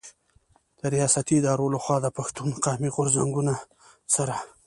د رياستي ادارو له خوا د پښتون قامي غرځنګونو سره